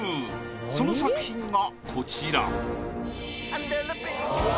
その作品がこちら。